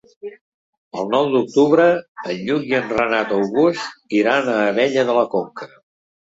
El nou d'octubre en Lluc i en Renat August iran a Abella de la Conca.